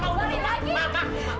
kamu jangan kebaya lagi